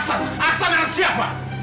aksan ya aksan aksan adalah siapa